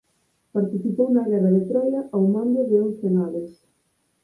Participou na guerra de Troia ao mando de once naves.